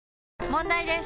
問題です！